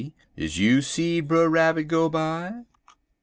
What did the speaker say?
'Is you seed Brer Rabbit go by?'